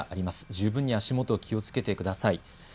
十分に足元お気をつけてください。